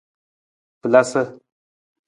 Falasa.